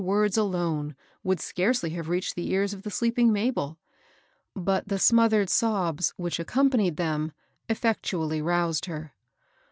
words alone, would scarcely have reached the ears of the sleeping Mabel ; bat the smothered sobs which accompanied them effectually roused her.